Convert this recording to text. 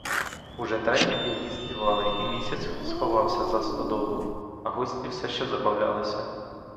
Уже треті півні співали і місяць сховався за стодолу, а гості все ще забавлялися.